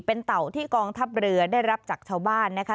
เป็นเต่าที่กองทัพเรือได้รับจากชาวบ้านนะคะ